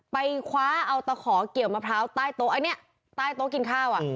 ไปคว้าเอาตะขอเกี่ยวมะพร้าวใต้โต๊ะอันนี้ใต้โต๊ะกินข้าวอ่ะ